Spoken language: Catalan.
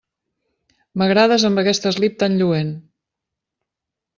M'agrades amb aquest eslip tan lluent.